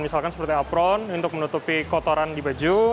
misalkan seperti apron untuk menutupi kotoran di baju